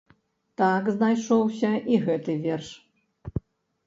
Так знайшоўся і гэты верш.